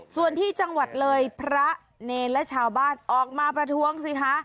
ส่วนที่จังหวัดเลยพระเนรและชาวบ้านออกมาประท้วงสิคะ